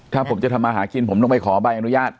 ถ้าผมจะทำมาหากินผมต้องไปขอใบอนุญาต